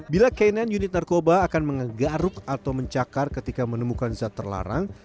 bila k sembilan unit narkoba akan menggaruk atau mencakar ketika menemukan zat terlarang